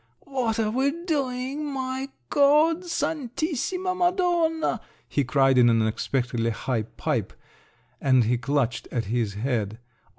"What are we doing, my God, Santissima Madonna!" he cried in an unexpectedly high pipe, and he clutched at his head.